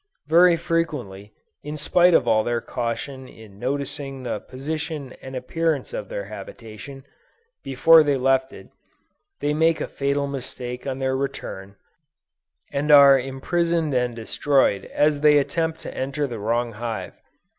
Very frequently, in spite of all their caution in noticing the position and appearance of their habitation, before they left it, they make a fatal mistake on their return, and are imprisoned and destroyed as they attempt to enter the wrong hive.